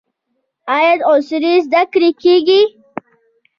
آیا عصري زده کړې کیږي؟